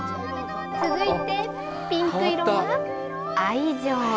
続いてピンク色は愛情。